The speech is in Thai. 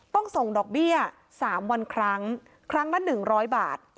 ต้องส่งดอกเบี้ย๓วันครั้งครั้งละ๑๐๐บาท